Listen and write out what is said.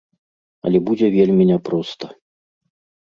Але будзе вельмі няпроста.